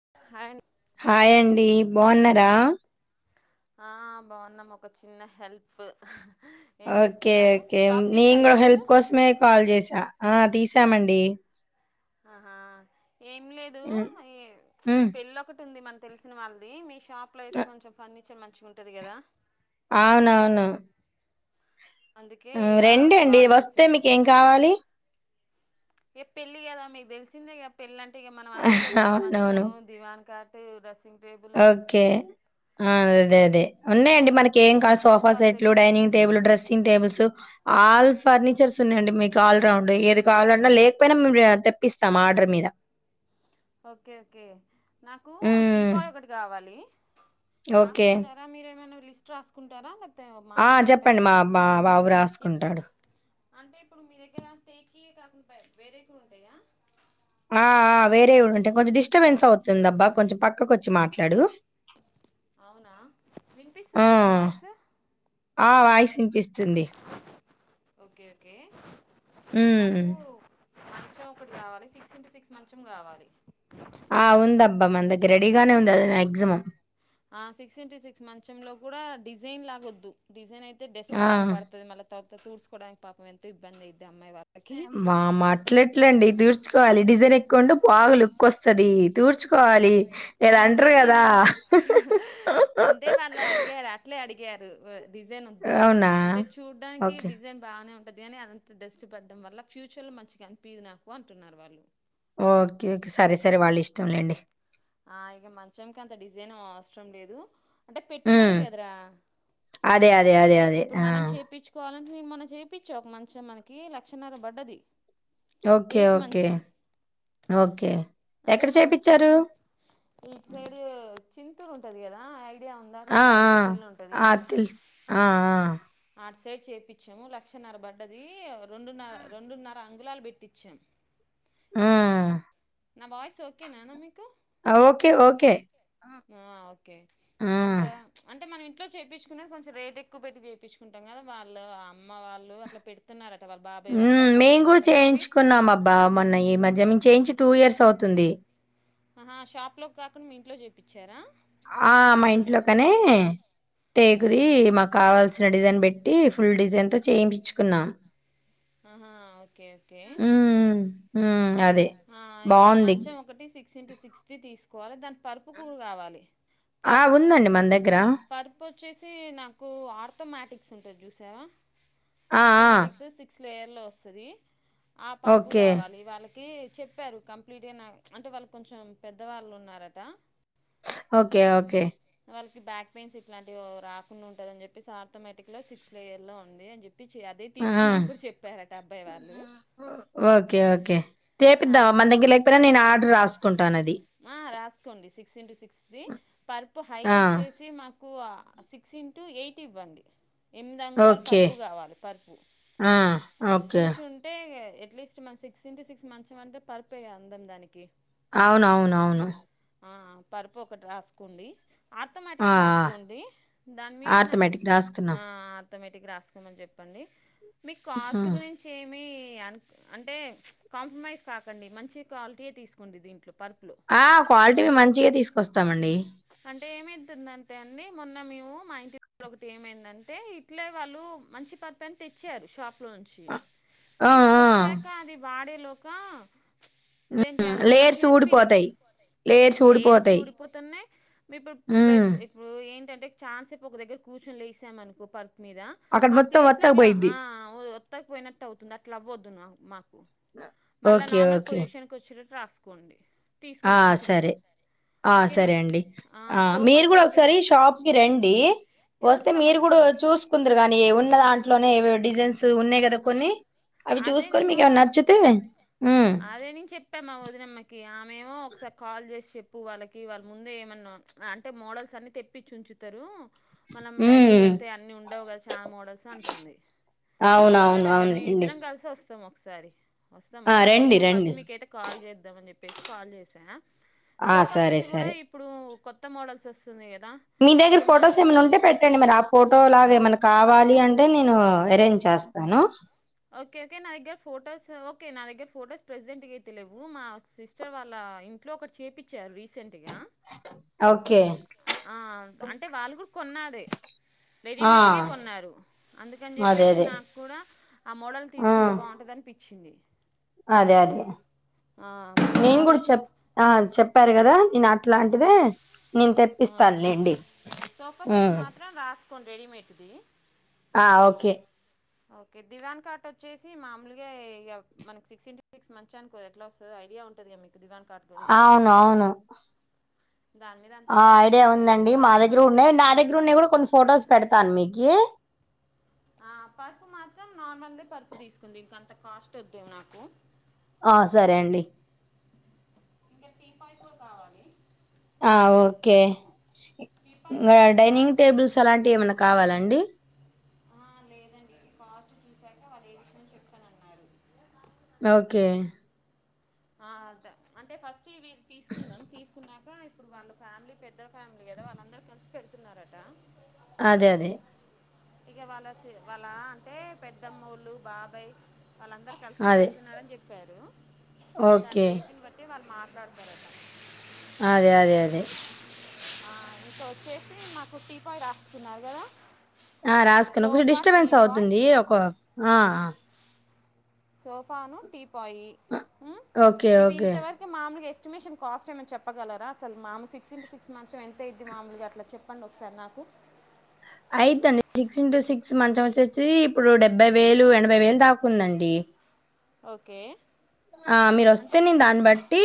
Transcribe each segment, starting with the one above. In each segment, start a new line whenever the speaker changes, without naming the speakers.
[unintelligible]
Hi అండి బాగున్నార
ఆ బాగున్నాం ఒక చిన్న హెల్ప్ ఏం
ఓకే
చేస్తున్నారు
ఓకే
షాప్ తీసారు
నేను
ఈరోజు
హెల్ప్ కోసమే కాల్ చేసా ఆ తీసామండి
ఆహా ఏం లేదు
హ్మ్.
ఈ
హ్మ్.
పెళ్ళి ఒకటి ఉంది మన తెలిసిన వాళ్ళది మీ షాప్ లైతే
అ
కొంచం పన చెం మంచి గ ఉంటాది కదా
అవునవును
అందుకే ఇక
రండి అండి
కాల్
వస్తే
చేసా
మీకు ఏం కావాలి
ఏ పెళ్ళి కదా మీకు తెలిసిందే గా పెళ్ళి మనం అన్ని పెట్టాలి
అవునవును.
మంచము దివానా కాట్ ఉ రాసింగ్
ఓకే అదే అదే ఉన్నాయండి మనకి ఏం కావాలో సోఫా సెట్లు డైనింగ్ టేబుల్ డ్రెస్సింగ్ సింగ్ టేబుల్స్ ఆల్ ఫర్నిచర్స్ ఉన్నాయంండి మీకు ఆల్రౌండ్ ఏది కావాలో లేకపోయినా మేము తెప్పిస్తాం ఆర్డర్ మీద
ఓకే ఓకే నాకు
హ్మ్.
టీపాయ్ ఒకటి కావాలి
ఓకే.
రాసుకుంటారా మీరేమైనా లిస్ట్ రాసుకుంటారా
ఆ
మామూలుగా
చెప్పండి మా
చెప్పేయమంటారా
మా బాబు
ఇప్
రాసుకుంటాడు
అంటే ఇప్పుడు మీ దగ్గర టేకీయ కాకుండా వేరేటివి ఉంటాయా
ఆ ఆ వేరేవి ఉంటాయి కొంచెం డిస్టర్బెన్స్ అవుతుంది అబ్బా కొంచెం పక్కకు వచ్చి మాట్లాడు
అవునా
ఆ!
వినిపిస్తుందా నా వాయిస్
ఆ వాయిస్ ఇనిపిస్తుంది
ఓకే ఓకే
ఉ
నాకు మంచం ఒకటి కావాలి సిక్స్ ఇంటూ సిక్స్ మంచం కావాలి
ఆ ఉంది అబ్బా మన దగ్గర రెడీగానే ఉంది అది మాక్సిమం
ఆ సిక్స్ ఇంటూ సిక్స్ మంచ లో కూడా డిజైన్ లాగ వద్దు డిజైన్ అయి డస్ట్
ఆ!
బాగా పడతది మల్ల తుడోసోడానికి పాపం ఎంత ఇబందాయి.
బా మ అట్లేట్లండి తీర్చుకోవాలి డిజైన్ ఎ. కొండ బాగా లుక్ కొస్తది తుడుచ్.
అంతే నేను, అంటే వాళ్ళు అడిగే రా, అట్లే అడిగి. అడిగారు వొ. డిజైన్ వొద్దు,
అవునా?
అంటే చూడ్డానికి,
ఓకే.
డిజైన్ బాగానే, ఉంది. ఉదయాన్నే అంత దస్ట్ పడం వల్ల ఫ్యూచర్ లో మంచిగా అనిపియ్యదు నాకు అంటున్నారు వాళ్ళు.
ఓకే సరే సరే వాళ్ళు ఇష్టంలేండి.
ఆ ఇగ మంచంకి అంత డిజైన్ అవసరం లేదు. అంటే పెట్టుబడి
హ్మ్.
కదరా,
అదే. అదే. అదే. అదే.
ఇప్పుడు
ఆ!
మనం చేపించుకోవాలని. నేను మొన్న చెపించ ఒక మంచం మనకి లక్ష న్నర పడ్డది.
ఓకే
టేక్
ఓకే
మంచం
ఓకే ఎక్కడ చేపిచ్చారు.
ఇ సైడ్ ఓ చింతూరు ఉంటది గదా ఐ.
అ అ అ తె ఆ ఆ.
అంటే చేయించాము లక్షన్నర పడ్డది రెండున్నర
హ్మ్.
రెండున్నర అంగులాలు పెట్టించాము.
ఆ! హ్మ్.
నా వయిస్ ఓకేనానా. [inaudible]
ఓకే. ఓకే. హ్మ్. హ్మ్.
ఇట్లో చేయిించుకున్న కొంచెం రేట్ ఎక్కువ పెట్టి చేయిుంటాం కదా, వాళ్ళు, అమ్మ వాళ్ళు, అట్లా పెడుతున్నార.
ఉమ్ మేం కూడా చేయించుకున్నాం అబ్బా మొన్న ఈ మధ్య మేము చేయించు.
ఆహా షాప్ లో కాకుండా మీ ఇంట్లో. చూపించారా.
ఆ మా ఇంట్లో కాని. టేకుది
ఓకే
మాకు కావాల్సిన డిజైన్ పెట్టి. ఫుల్ డిజైన్ తో చేయిపించుకున్నాం.
ఆహా ఓకే ఓకే.
హ్మ్. హ్మ్. హ్మ్. అదే.
ఆ ఇక
బావుంది.
మంచం ఒకటి సిక్స్ ఇంటూ సిక్స తి తీస్. వాళ్ళ తర్ప్ పరుపు కూల్ కావాలి.
ఆ!
గ
ఉందండి మన దగ్గర.
పరుపు వొచ్చేసి నాకు ఆర్థమటిక్స్ ఉంటుంది. చూసావా.
ఆ! ఆ!
Arithmetics six. పేర్లో వొస్తుంది. ఆ పర్పు
ఓకే.
కావాలి ఈగ వాళ్ళకి. ఇది చెప్పారు కంప్లీట్గా అంటే వాళ్ళు కొంచెం పెద్దవాళ్ళు ఉన్నారట.
Okay okay.
వాళ్ళకి బ్యాక్ పెయిన్స్ ఇట్లాంటివి రాకుండా ఉంటంద అని చెప్పేసి, ఆర్థోమేటిక్లా సిక్స్ లేయర్ లో ఉంది అని చెప్ చే అదే
ఆ!
తీసుకున్నాని కూడా చెప్పారట అబ్బాయి వాళ్ళు అదే
చేపిద్దావా మ దగ్గరకపోనా నేన్ ఆర్డర్ రాస్
ఆ రాసుకోండి సిక్స్ ఇంటూ సిక్స్ ది పరుపు హైట్
ఆ,
వచ్చేసి మాకు సిక్స్ ఇంటూ ఎయిట్ ఇవ్వండి ఎనిమిది అంగులాలు
ఓకే
పరుపు కావాలి పరుపు
ఆ, ఓకే
కూర్చుంటే ఎట్లీస్ట్ మన సిక్స్ ఇంటూ సిక్స్ మంచం అంటే పర్పోహె గా అందం దానికి
అవునవునవును
అ పరుపు ఒకటి రాసుకోండి
ఆ,
ఆర్థమటిక్స్
ఆ,
రాసుకోండి దాని మీద నాకు
ఆర్థమెటిక్ రాసుకున్నాం
ఆ ఆర్థోమేటిక్ రాసుకోమని చెప్పండి మీ కాస్ట్
ఉమ్.
గురించి ఏమి అంటే కాంప్రమైజ్ కాకండి మంచి క్వాలిటీయే తీసుకుండి దీంట్లో పరుపులు
ఆ క్వాలిటీ మంచిగా తీసుకొస్తామండి
అంటే ఎం అయితది అండి మొన్న మేం మా ఇంటి ఒకటి ఏమందంటే ఇట్లే వాళ్ళు మంచి పరపు అని తెచ్చారు షాప్ షాప్ లో నుంచి
ఆ, ఆ,
తీసుకొచ్చాక అది వాడే లోకా అదేంటి
ఉమ్,
అంత
లేయర్స్
మంచిగా అం
ఊడిపోతాయి లేయర్స్
లేస్
ఊడిపోతాయి
ఊడిపోతున్నాయి మీప్పు ఇప్పుడు ప్రే
ఉమ్,
ఏంటంటే ఛానసేపు ఒక దగ్గర కూచని లేసాం అనుకో పర్ రపు మీద
అక్కడ
ఆ
మొత్తం
ప్లేస్లొ అట్ల
వత్తకపోయిద్ది
ఆ అవదు త్తకు పోయినట్టు అవుతుంది అట్లవ్వద్దున మాకు మళ్ళా
ఓకే
నార్మల్
ఓకే
పొజిషన్కొచ్చినట్ రాస్కోండి
ఆ సరే, ఆ
ఓకేనా
సరే అండి, ఆ
సోఫా
మీరు కూడ
సెట్
ఒకసారి షాప్కి రండి,
ఏ,
వస్తే
వస్తాం
మీరు కూడ
వస్తాం
చూస్కుందురు గానీ ఉన్న దాంట్లోనే ఏవి డిజైన్స్ ఉన్నయి కదా కొని
అదే నేను
హ్మ్.
అదే నేన్ చెప్ప మా వదినమ్మకి ఆమ్ మేము ఒకసారి కాల్జేసి చెప్ ప్పు వాళ్ళకి వాళ్ ముందే ఏమన్నా అంటే మోడల్సన్ని తెప్పించి ఉంచుతారు. మనం
హ్మ్.
డైరెట్గెళ్తే అన్ని ఉండవు కద చాలా మోడల్స్ అంటుంది
అవునవును.
వస్తుదట వస్తాదిట మీ
అవునండి.
కొస్తం ఒకసారి వస్తాము
ఆ! రండి.
ఒకసారి ఫస్ట్
రండి.
మీకయితే కాల్ చేద్దామని చెప్పి చి కాల్ చేసేన
ఆ!
సోఫా
సరే.
సెట్ కూడా
సరే.
ఇప్పుడు కొ త్త మోడల్స్ వస్తునాయి గ
మీ దగ్గర ఫొటోస్ ఏమైన్నా ఉంటే పెట్టండి మరి ఆ ఫోటో లాగా ఏమన్నా కావాలి అంటే నేను అరేంజ్ చేస్తాను
ఓకే కే నా దగ్గర ఫొటోస్ ఓకే నా దగ్గర ఫొటోస్ ప్రసెంట్గైతే లేవు మా సిస్టర్ వాళ్ళ ఇంట్లో ఒకటి చేపిచ్చారు రీసెంట్
ఓకే.
ఆ అంటే వాళ్ళు కూడ కొన్నాదె
ఆ!
రెడీమేట్ వే కొన్నారు
అదే.
అందుకనిచెప్పేసి
అదే.
నాక్కూడా ఆ మోడల్
ఆ!
తీసుకుంటే బాగుంటదనిపి చింది
అదే అదె
మీరు
నేన్
అది
కూడా
సో
చెప్ ఆ చెప్పారు కదా ఇ నాక్ కట్లాంటిదే నేన్
ఆ,
తెప్పిస్తాన్ లేండి మ్మ్
కొన్ రెడిమేడ్ది
ఆ ఓకే
ఓకే దివాన్ కాటొచ్చేసి మామూల్గా ఇ మనకి సిక్స్ ఇంటు సిక్స్ మంచానికదేట్లొస్తాదో ఐడియా ఉంటదిగా మీకు దివాన్ కాట్ గురించి
ఔనౌను
దాని మీద అంత
ఆ ఐడియా
రిక్వైర్మెంట్ ఏం లేదు
ఉందండి మా
పరుపు
దగ్గర
మాత్రం
ఉన్నాయి నా దగ్గర ఉండేవి కూడా కొన్ని ఫొటోస్ పెడతాను మీకి
ఆ పరుపు మాత్రం నార్మల్దే పరుపు తీసుకుంది ఇంకంత కాస్ట్ వద్దేం నాకు
ఆ సరే అండి
ఇంక టీపాయి కూడ కావాలి
ఆ ఓకే
టీపాయ్
ఇంక
మీద గ్లాస్
డైనింగ్
వద్దు
టేబుల్సు అలాంటివేమన్నా కావాలాండి
ఆ లేదండి ఈ కాస్ట్ చూశాక వాళ్ళు ఏ విషయం చెప్తన అన్నారు
ఓకే
ఆ అద అంటే ఫస్ట్ ఇవి తీసుకుందాం తీసుకున్నా ఇప్పుడు వాళ్ళ ఫ్యామిలీ పెద్దల ఫ్యామిలీ కదా వాళ్ళందరుూ కలిసి పెడుతున్నారట
అదే అదే
ఇక వాళ్ళ వాళ్ళ అంటే పెద్దమ్మూళ్ళు బాబాయ్ వాళ్ళందరరు కలిసి
అదే
పెడున్నారని చెప్ చెప్పారు దాని
ఓకే
రేటింగ్ బట్టి వాల్ మా న్నారుకడగత
అదే అదే అదే
ఆ ఇంక వచ్చేసి నాకు టీ పాయి రాసుకున్నారు కదా
ఆ రాసుకుని కొంచెం
సోఫా
డిస్టర్బెన్స్
టీపాయ్
అవుతుంది ఒక ఆ
సోఫాను టిప్ పోయి
ఓకే
ఇవి
ఓకే
ఇంతవరకు మామూలుగా ఎస్ ఎస్టిమేషన్ కాస్ట్ ఏమనా చెప్పగలరా అసలు మా సిక్స్ ఇంటూ సిక్స్ మంత్ కొంచం ఎంత అద్ది మామలుగా అలా చెప్పి ప్పండి ఒక ఒకసార్ నాకు
అయితండి సిక్స్ ఇంటూ సిక్స్ మంచం వచ్చేసి ఇప్పుడు డెబ్బై వేలు ఎనభై వేలు దాకుందండి
ఓకే
ఆ మీరుొస్తే
అంటే
నేను దాన్ని బట్టి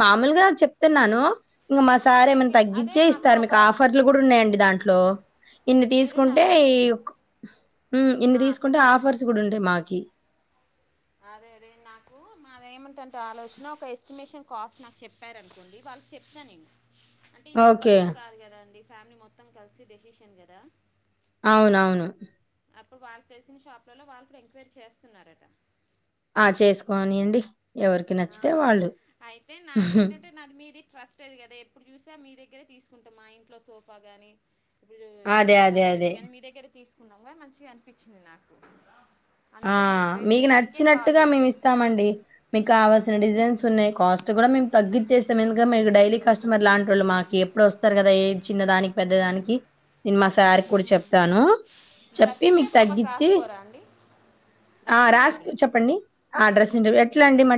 మామ అమలుగా చెప్తున్నాను ఇంకా మా సారి
ఓకే
ఏమైనా
ఓకే అదే
తగ్గించే
మాకు
ఇస్తారు
ఒక
మీకు ఆఫర్లు కూడా ఉన్నాయండి దాంట్లో ఇన్ని
మీరు
తీసుకుంటే
నాకు
ఈ ఇన్ని
ఆ,
తీసుకుంటే
చెప్పండి
ఆఫర్స్ కూడా ఉంటాయి మాకి
అదే అదే నాకు ఏమంటంటే ఆలోచన ఒక ఎస్టిమేషన్ కాస్ట్ నాకు చెప్పారనుకోండి వాళ్ళకి చెప్తాను నేంను అంటే ఇ
ఓకే.
రొక్కలతో కాదు కద అండి ఫ్యామిలీ మొత్తం కలిసి డెసిషన్ కదా
అవునవును
అప్పుడు వాళ్ళకి తెలిసిన షాప్లలో వాళ్ళు కూడా ఎంక్వైరీ చేస్తున్నారట
ఆ చేసుకోవని అండి ఎవరికి
ఆ,
నచ్చితే వాళ్ళు
ట్రస్ట్ అది కదా ఎప్పుడు చూసా మీ దగ్గరే తీసుకుంటామా ఇంట్లో సోఫా కానీ ఇప్పు
అదే.
దివన్
అదే.
కార్డ్
అదే.
సెట్టిగాని మీరే క తీసుకున్నాముంగా మంచిగా అనిపించింది నాకు
ఆ
అందుకని చెప్పేసి
మీకు
మీకే కాల్
నచ్చినట్టుగా మేము
చేసా
ఇస్తామండి మీకు కావాల్స డిజైన్స్ ఉన్నాయి కాస్ట్ కూడా మేము తగ్గించేస్తాం ఎందుక మీకు డైలీ కస్టమర్ లాంటి వాళ్ళు మాకు ఎప్పుడు వస్తారు కదా ఏ చిన్నదానికి పెద్ద దానికి నేను మా సారి కూడా చెప్తాను చెప్పి
డ్రెస్సింగ్
మీకు
టేబుల్ ఒకటి
తగ్గించి
రాసుకోరా అండి
ఆ
డ్రెస్సింగ్
రాస్
టేబుల్
చెప్పండి ఆ డ్రెస్ ఎట్లా అండి మ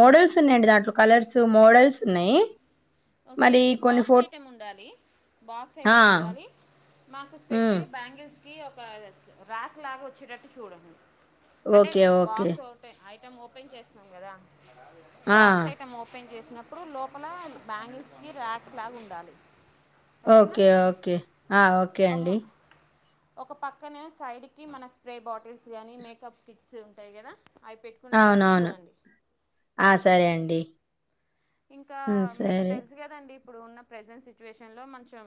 మోడల్స్ ఉన్నాయంండి దాంట్లో కలర్స్ మోడల్స్ ఉన్నాయి
ఓకే
మరి
ఓకే
కొన్ని
బాక్స్
ఫో
ఐటెమ్ ఉండాలి బాక్స్
ఆ!
ఐటెమ్ ఉండాలి మాకు
హ్మ్.
స్పెషలీ బ్యాంగిల్స్ క ఒక రార్క్ లాగా వచ్చేటట్టు చూడండి అంటే
ఓకే. ఓకే.
బాక్స్ ఒకటయి మట్టం ఓపెన్ చేస్తాం కదా
ఆ!
బాక్స్ ఐటం ఓపెన్ వేసినప్పుడు లోపల బ్యాంగిల్స్కి ర్యాక్స్ లాగా ఉండాలి ఓకేనా
ఓకే ఓకే ఆ ఓకే
ఒక
అండి
ఒక పక్కనే సైడ్కి మన స్ప్రే బాటిల్స్ కానీ మేకప్ కిట్స్ ఉంటాయి కదా అవి పెట్టుకునేటట్టు
అవునవును
చూడండి
ఆ సరే అండి
ఇంకా
హ్మ్.
మీకు
సరే.
తెలుసు కదన్ డి ఉన్న ప్రసెన్ సిట్యుయేషన్ లో కొంచం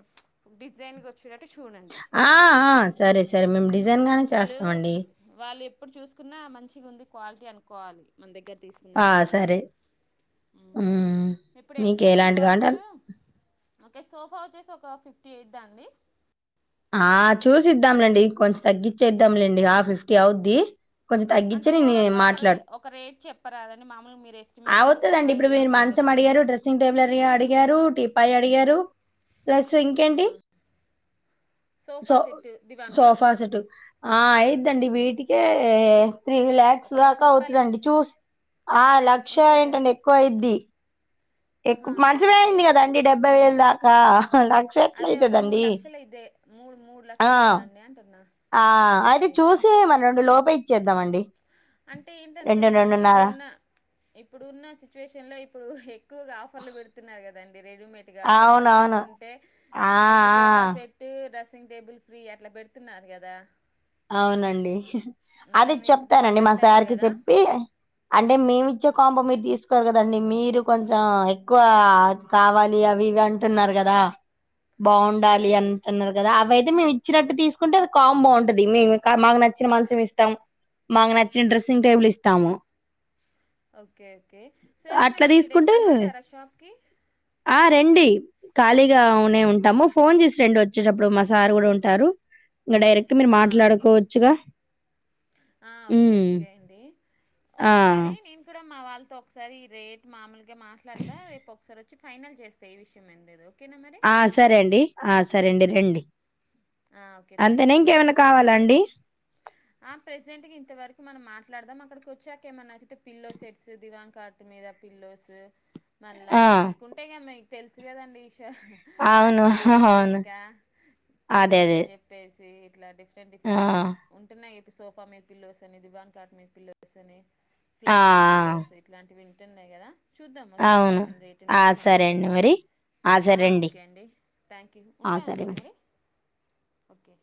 డిసేన్ గొ
ఆ ఆ సరే సరే మేము డిజైన్ గానే చేస్తామండి
ఇప్పుడు చూసుకున్నా మంచిగా ఉంది క్వాలిటీ అనుకోవాలి మన దగ్గర్
ఆ!
తీసుకున్నంక
సరే.
ఊమ్
హ్మ్.
ఇప్పుడు ఎస్టిమేషన్
మీకెలాంటి కావాలంటే
కాస్టు ఒక సోఫా వచ్చేసి ఒక ఫిఫ్టీ ఎయిదా అండి
ఆ చూసిద్దాంలేండి కొంచెం తగ్గచ్చేద్దాంలేండి ఆ ఫిఫ్టీ అవుద్ది కొంచెం
అంటే
తగ్గిచ్చి
ఓవరాల్
నేను
గా ఒక రే ఒక రేట్ చెప్ రాదండి మామలుగా మీర్
అవుతుదండి ఇప్పుడు మీరు మంచం అడిగారు డ్రెస్సింగ్ టేబుల్రడిగారు టిప్పాయి అడిగారు ప్లస్ సింకెంటి సో
సోఫా సెట్ దివాన్ కాట్
సోఫా సెట్ ఆ ఇదండి వీటికే త్రీ ల్యాక్స్
ఒక లక్ష
దాకా
రూపాయలు
అవుతుందండి
ఇచ్చు
చూసి ఆ ల క్ష
ఎంత
ఏంటండి
అవుద్దండి
ఎక్కువ అయిద్ది
ఆహా
ఎక్కువ
ఓకే
మంచిమే
ఓకే
అయింది గదండి డెబ్బై వేలు దా కా
అదే ఒక మూడు లక్షలు అయితే మూడు మూడు
ఆ
లక్షలు ఐదా అండీ అంటున
ఆ అయితే చూసి మన రెండు లోపె ఇ చేద్దామండి రెండుండున్నర
ఇప్పుడు ఉన్న సిచ్యువేషన్ లో ఇప్పుడు ఎక్కువగా ఆఫర్లు పెడుతున్నారు కదం రెడీమేడ్ గా ఒక మంచం
అవునవును
కొంటే
ఆ
మీకు sofa set dressing table free అట్లా పెడుతున్నారు కదా
అవునండి అది
మ్మ్, ఇప్పుడు
చెప్తానండి
పండగ
మా
టైం
సార్కి
కదా
చెప్పి అంటే మేమి చె కాంప మీరు తీసుకోరు కదా అండి మీరు కొంచెం ఎక్కువ కావాలి అవి ఇవి అంటున్నారు కదా బాగుండాలి
సరే
అంటున్నారు కదా అవయితే మేము ఇచ్చినట్ట తీస్ ఉంటది కాంబొ ఉ దీన్ని ఇంకా మాకు నచ్చిన మంచం ఇస్తాము మాకు నచ్చిన డ్రెస్సింగ్ టేబుల్ ఇస్తాము
ఒకే ఒకే సరే
అట్లా
మరి రేప్
తీసుకుంటే
రమ్మంటారా షాప్ కి.
ఆ! రండి ఖాళీగా ఉనే ఉంటాము ఫోన్ జేసి రండి వచ్చేటప్పుడు మా సార్ గూడుంటారు ఇంగ డై. టె మీర్
ఓకే
మాట్లాడుకోవచ్చుగా.
ఆ ఒకే
హ్మ్.
ఒకే అండి
ఆ!
ఒక్సారి నేన్ కూడా. మా వాళ్ళ్తో ఒకసారి రేట్ మామూల్గా మాట్లాడ్తా రేపొకసారొచ్చి ఫైనల్ జేస్తా ఈ విషయమేందేదొ.
ఆ సరే అండి ఆ సరేండి. రండి
ఆ ఒకే
అంతేనా
థ్యాంక్యూ
ఇంకేమైనా
బా
కావాలా అండి?
ఆ ప్రెసెంట్ గింతవరకు మనం మా. ట్లాడుదాం అక్కడికొచ్చాక ఏమన్న అతితే పిల్లోసెట్స్ దివాన్ కాట్ మీద పిల్లోస్. మల్లా
ఆ!
ఇంకుంటేగా. తెల్స్ గదండి ష
అవును.
అన్ని ఐటమ్స్
అవును.
ఇంక.
అదే.
పిల్లోస్
అదే.
అన్ జెప్పేస్. చీ [unintelligible] ఇట్ల డిఫరెంట్
ఆ!
డిఫరెంట్గు ఉంటున్నాయ్. సోఫా మీద్ పిల్లోస్ అని దివాన్ కాట్ మీద పిల్లోస్ అని.
ఆ!
ఫ్లప్పి పిల్లోస్
ఆ!
ఇలాంటివిన్. తున్నయ్ గదా చూద్దాం వొచ్చాక
అవును.
ఏమైన్ రేటున్
ఆ!
బట్టి
సరే
మాట్లాడతం
అండి మరి.
ఆ ఓకే అండి థాంక్యూ
ఆ! సరే.
ఉంటానండి మరి. ఒకే